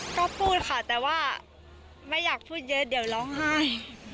ก็พูดค่ะแต่ว่าไม่อยากพูดเยอะเดี๋ยวร้องไห้